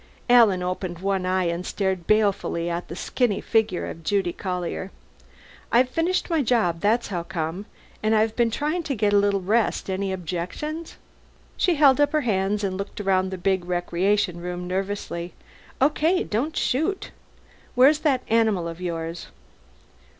Alan opened one eye and stared balefully at the skinny figure of Judy Collier. "I've finished my job, that's how come. And I've been trying to get a little rest. Any objections?" She held up her hands and looked around the big recreation room nervously. "Okay, don't shoot. Where's that animal of yours?"